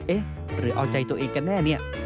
เอ๊ะหรือเอาใจตัวเองกันแน่เนี่ย